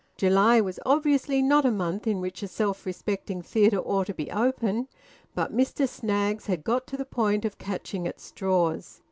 July was obviously not a month in which a self respecting theatre ought to be open, but Mr Snaggs had got to the point of catching at straws.